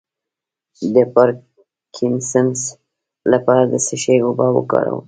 د پارکینسن لپاره د څه شي اوبه وکاروم؟